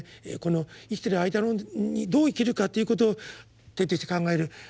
この生きてる間にどう生きるかということを徹底して考える。